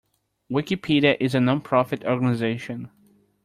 Wikipedia is a non-profit organization.